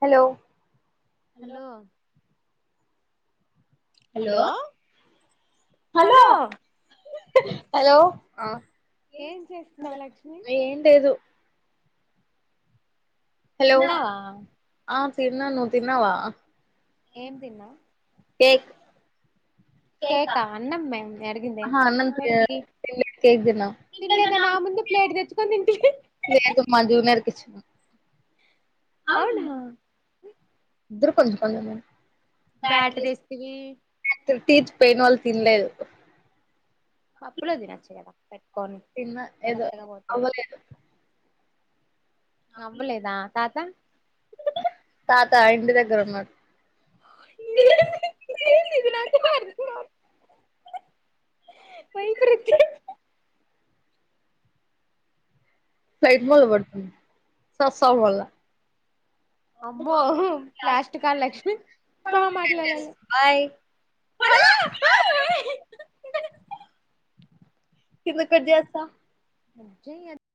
hello hello hello hello ఏం లేదు hello ఆ తిన్నాను నువ్వు తిన్నావా ఏం తిన్నా ఏక్ కేక్ క ఆహా అన్నం తిన్లే కేక్ తిన్నం అదేంటి లేదు మా జూనిర్ కి ఇచ్చినం అవునా ఇద్దరు కొంచం కొంచెం బ్యాట్ తేతివి తచ్ పెనవాల్ తిల్లేదు అప్పుడు తినొచ్చు కదా పెట్టుకోని పెట్టకపోతే అవ్వలేదా తాత ఇది ఇది ఇది నాకేం అర్ధం కావట్లే పోయిపుక ఫైట్ మళ పడుతుంది సత్స మల్లా బ తిన కట్ చేస్తా అంచి